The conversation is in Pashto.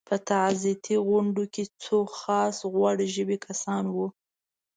په تعزیتي غونډو کې څو خاص غوړ ژبي کسان وو.